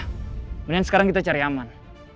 kemudian sekarang kita cari aman